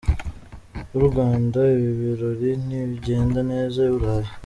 y’u Rwanda ibi birori, nibigenda neza i Burayi.